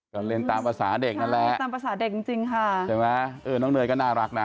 ก็เล่นตามภาษาเด็กนั่นแหละเล่นตามภาษาเด็กจริงจริงค่ะใช่ไหมเออน้องเนยก็น่ารักนะ